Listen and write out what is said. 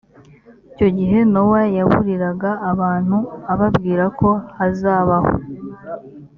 icyo gihe nowa yaburiraga abantu ababwira ko hazabaho